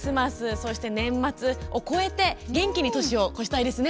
そして年末を越えて元気に年を越したいですね。